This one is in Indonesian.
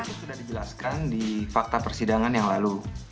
itu sudah dijelaskan di fakta persidangan yang lalu